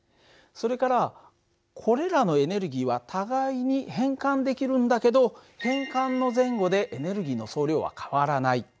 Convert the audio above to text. それからこれらのエネルギーは互いに変換できるんだけど変換の前後でエネルギーの総量は変わらない。